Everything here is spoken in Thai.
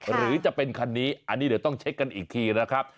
หรือจะเป็นคันนี้อันนี้เดี๋ยวต้องเช็คกันอีกทีนะครับ